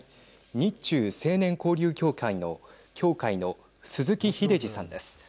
日中青年交流協会の鈴木英司さんです。